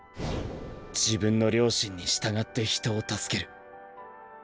自分の良心に従って人を助ける。